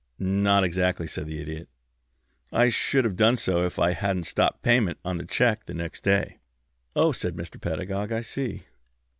"Not exactly," said the Idiot. "I should have done so if I hadn't stopped payment on the check the next day." "Oh," said Mr. Pedagog, "I see!"